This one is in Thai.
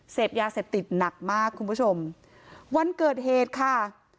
เสพยาเสพติดหนักมากคุณผู้ชมวันเกิดเหตุค่ะ